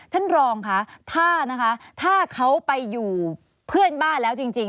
ท่านรองค่ะถ้านะคะถ้าเขาไปอยู่เพื่อนบ้านแล้วจริง